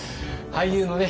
俳優のね